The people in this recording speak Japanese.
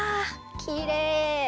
きれい！